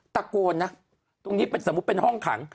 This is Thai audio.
ตะโกนนะตรงนี้เป็นสมมุติเป็นห้องขัง